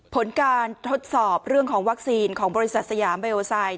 ผลการทดสอบเรื่องของวัคซีนของบริษัทสยามเบลไซด